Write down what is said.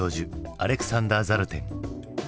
アレクサンダー・ザルテン。